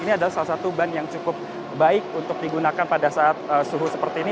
ini adalah salah satu ban yang cukup baik untuk digunakan pada saat suhu seperti ini